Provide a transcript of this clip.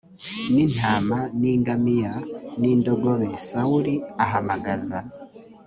n intama n ingamiya n indogobe sawuli ahamagaza